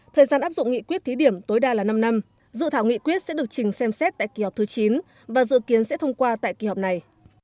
thời gian áp dụng nghị quyết thí điểm tối đa là năm năm dự thảo nghị quyết sẽ được trình xem xét tại kỳ họp thứ chín và dự kiến sẽ thông qua tại kỳ họp này